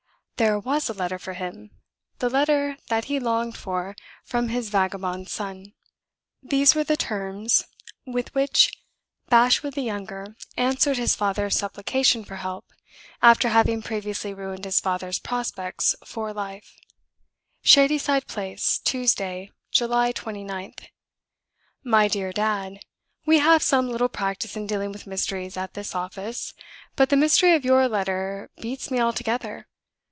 There was a letter for him the letter that he longed for from his vagabond son. These were the terms in which Bashwood the younger answered his father's supplication for help after having previously ruined his father's prospects for life: "Shadyside Place. Tuesday, July 29th. "MY DEAR DAD We have some little practice in dealing with mysteries at this office; but the mystery of your letter beats me altogether.